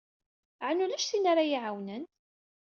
Ɛni ulac tin ara yi-iɛawnen?